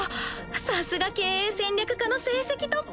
さすが経営戦略科の成績トップ。